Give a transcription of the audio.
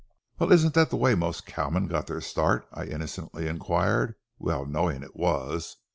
"Well, isn't that the way most cowmen got their start?" I innocently inquired, well knowing it was.